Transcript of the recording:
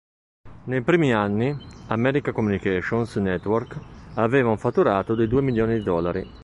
Nei primi anni, American Communications Network aveva un fatturato di due milioni di dollari.